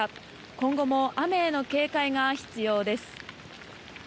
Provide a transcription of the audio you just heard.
今後も雨への警戒が必要です。